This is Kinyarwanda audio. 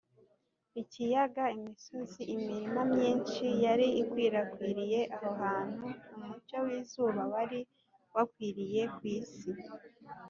ikiyaga, imisozi, imirima myinshi yari ikwirakwiriye aho hantu, umucyo w’izuba wari wakwiriye ku isi,